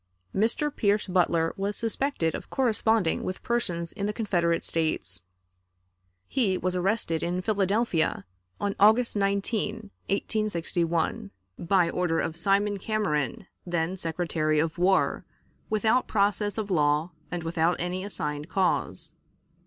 Mr. Pierce Butler was suspected of corresponding with persons in the Confederate States. He was arrested in Philadelphia on August 19, 1861, by order of Simon Cameron, then Secretary of War, without process of law and without any assigned cause.